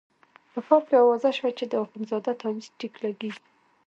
په ښار کې اوازه شوه چې د اخندزاده تاویز ټیک لګېږي.